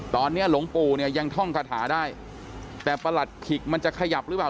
ตอนนี้หลวงปู่เนี่ยยังท่องคาถาได้แต่ประหลัดขิกมันจะขยับหรือเปล่า